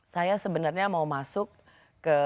saya sebenarnya mau masuk ke